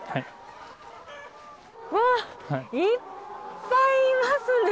うわっいっぱいいますね。